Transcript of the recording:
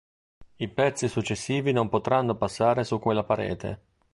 I pezzi successivi non potranno passare su quella parete.